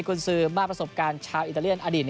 คุณซื้อมากประสบการณ์ชาวอิตาเลียนอดีต